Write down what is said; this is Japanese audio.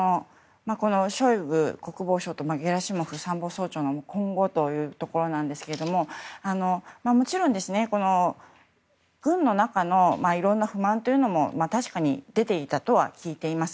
ショイグ国防相とゲラシモフ参謀総長の今後というところですがもちろん、軍の中のいろんな不満というのも確かに、出ていたとは聞いています。